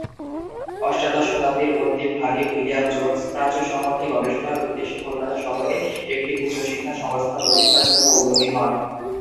অষ্টাদশ শতাব্দীর অন্তিম ভাগে উইলিয়াম জোনস প্রাচ্য সম্বন্ধে গবেষণার উদ্দেশ্যে কলকাতা শহরে একটি উচ্চশিক্ষা সংস্থা প্রতিষ্ঠার জন্য উদ্যোগী হন।